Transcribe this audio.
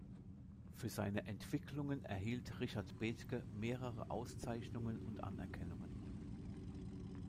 Für seine Entwicklungen erhielt Richard Bethge mehrere Auszeichnungen und Anerkennungen.